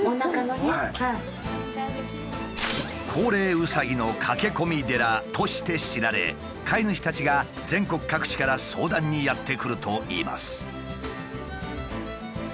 うさぎって手術するの？として知られ飼い主たちが全国各地から相談にやって来るといいます。